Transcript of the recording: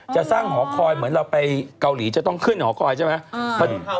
จะสร้างหอคอยเหมือนเราไปเกาหลีจะต้องขึ้นหอคอยใช่ไหม